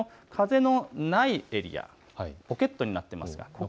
この風のないエリア、ポケットになっています。